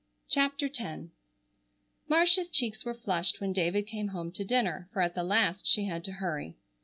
CHAPTER X Marcia's cheeks were flushed when David came home to dinner, for at the last she had to hurry.